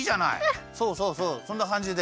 そうそうそうそんなかんじで。